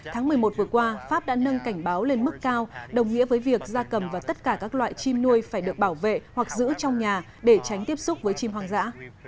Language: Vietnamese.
tháng một mươi một vừa qua pháp đã nâng cảnh báo lên mức cao đồng nghĩa với việc da cầm và tất cả các loại chim nuôi phải được bảo vệ hoặc giữ trong nhà để tránh tiếp xúc với chim hoang dã